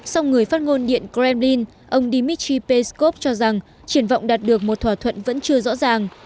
sau người phát ngôn điện kremlin ông dmitry peskov cho rằng triển vọng đạt được một thỏa thuận vẫn chưa rõ ràng